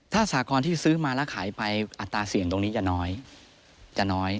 ถ้าสากรที่ซื้อมาแล้วขายไปอัตราเสี่ยงตรงนี้จะน้อยจะน้อย